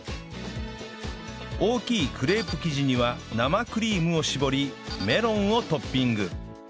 大きいクレープ生地には生クリームを絞りメロンをトッピング